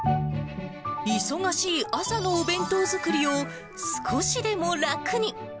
忙しい朝のお弁当作りを、少しでも楽に。